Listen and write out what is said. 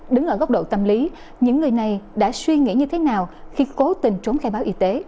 đứng ở góc độ tâm lý những người này đã suy nghĩ như thế nào khi cố tình trốn khai báo y tế